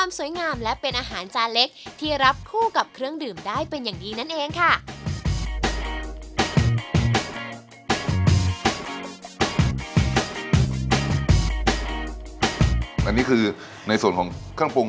อันนี้คือในส่วนของขั้งปรุง